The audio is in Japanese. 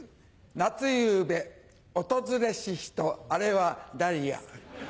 「夏夕べ訪れし人あれはダリア」。